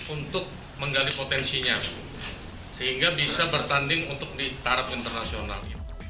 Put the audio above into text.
untuk menggali potensinya sehingga bisa bertanding untuk ditarap internasional